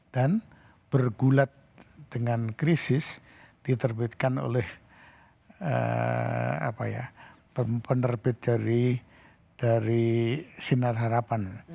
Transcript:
dan bergulat dengan krisis diterbitkan oleh penerbit dari sinar harapan